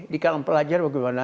di kalangan pelajar bagaimana